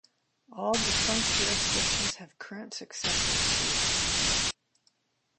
All defunct jurisdictions have current successor sees.